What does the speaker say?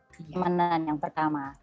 kenyamanan yang pertama